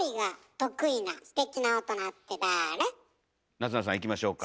夏菜さんいきましょうか。